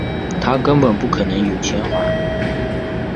他根本不可能有钱还